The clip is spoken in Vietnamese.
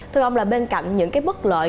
thưa ông bên cạnh những bất lợi